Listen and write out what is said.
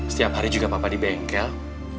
setiap hari juga papa di bengkel